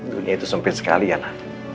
dunia itu sempit sekali ana